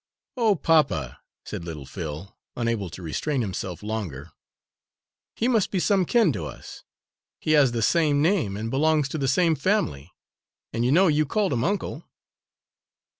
"Oh, papa," said little Phil, unable to restrain himself longer, "he must be some kin to us; he has the same name, and belongs to the same family, and you know you called him 'Uncle.'"